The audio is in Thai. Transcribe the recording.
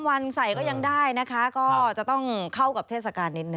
วันใส่ก็ยังได้นะคะก็จะต้องเข้ากับเทศกาลนิดนึ